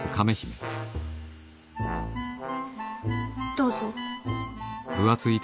どうぞ。